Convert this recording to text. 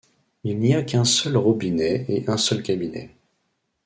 Il n'y a qu'un seul robinet et un seul cabinet.